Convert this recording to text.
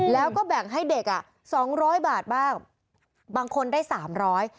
แล้วก็แบ่งให้เด็กอ่ะ๒๐๐บาทบ้างบางคนได้๓๐๐บาท